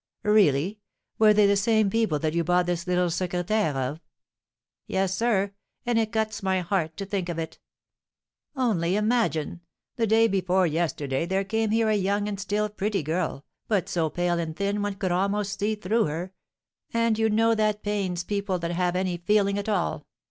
"Really! Were they the same people that you bought this little secrétaire of?" "Yes, sir; and it cuts my heart to think of it! Only imagine, the day before yesterday there came here a young and still pretty girl, but so pale and thin one could almost see through her; and you know that pains people that have any feeling at all.